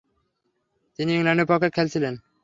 তিনি ইংল্যান্ডের পক্ষে খেলছিলেন।